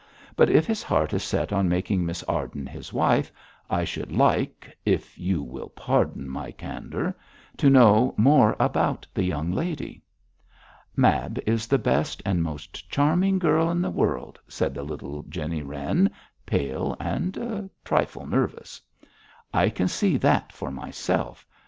But if his heart is set on making Miss Arden his wife, I should like if you will pardon my candour to know more about the young lady.' 'Mab is the best and most charming girl in the world,' said the little Jennie Wren, pale, and a trifle nervous. 'I can see that for myself.